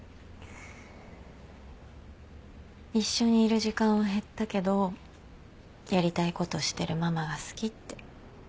一緒にいる時間は減ったけどやりたいことしてるママが好きって。